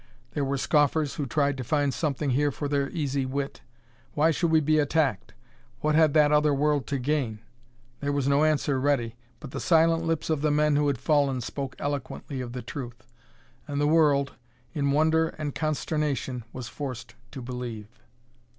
There were scoffers who tried to find something here for their easy wit. Why should we be attacked? What had that other world to gain? There was no answer ready, but the silent lips of the men who had fallen spoke eloquently of the truth. And the world, in wonder and consternation, was forced to believe.